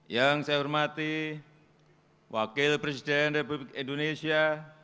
yang saya hormati wakil presiden republik indonesia